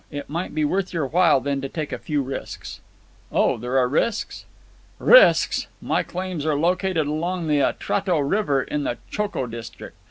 It might be worth your while then to take a few risks." "Oh! there are risks?" "Risks! My claims are located along the Atrato River in the Choco district.